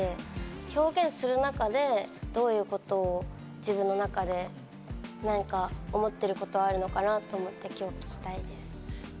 表現する中で、どういうことを自分の中で思っていることがあるのかなって今日、聞きたいです。